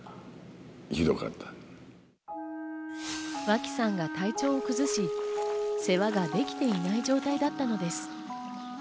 脇さんが体調を崩し、世話ができていない状態だったのです。